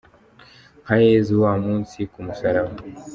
Nka Yezu wa munsi ku musaraba